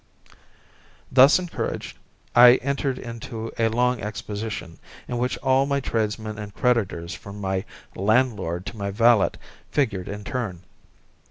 Thus encouraged, I entered into a long exposition, in which all my tradesmen and creditors from my landlord to my valet, figured in turn.